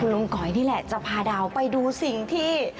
ลุงก๋อยนี่แหละจะพาดาวไปดูสิ่งที่